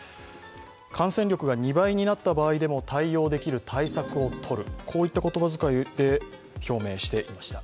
感染力が２倍になった場合でも対応できる対策をとるこういった言葉遣いで表明していました。